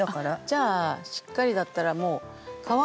じゃあしっかりだったらもう皮を。